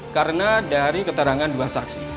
karena dari keterangan dua saksi